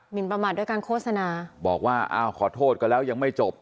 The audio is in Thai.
นประมาทด้วยการโฆษณาบอกว่าอ้าวขอโทษกันแล้วยังไม่จบ